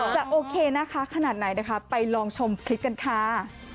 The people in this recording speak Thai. จะโอเคนะคะขนาดไหนนะคะไปลองชมคลิปกันค่ะ